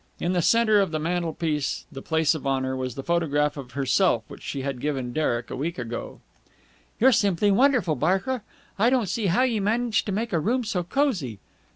In the centre of the mantelpiece, the place of honour, was the photograph of herself which she had given Derek a week ago. "You're simply wonderful, Barker! I don't see how you manage to make a room so cosy!"